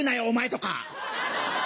「お前」とか！